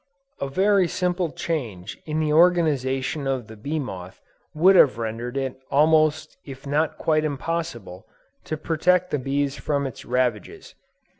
A very simple change in the organization of the bee moth would have rendered it almost if not quite impossible to protect the bees from its ravages.